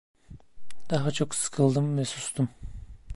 Daha çok sıkıldım ve sustum.